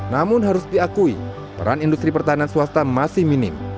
namun harus diakui peran industri pertahanan swasta masih minim